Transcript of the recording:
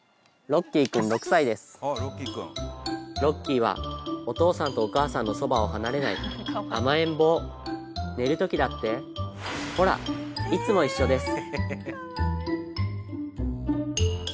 ロッキーはお父さんとお母さんのそばを離れない甘えん坊寝る時だってほらいつも一緒です